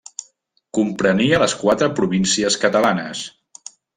Comprenia les quatre províncies catalanes: